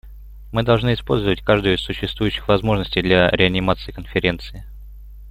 Мы должны использовать каждую из существующих возможностей для реанимации Конференции.